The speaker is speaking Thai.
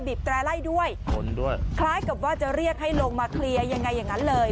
แตร่ไล่ด้วยชนด้วยคล้ายกับว่าจะเรียกให้ลงมาเคลียร์ยังไงอย่างนั้นเลย